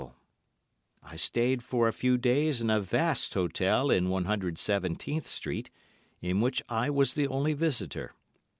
I stayed for a few days in a vast hotel in 117th Street, in which I was the only visitor.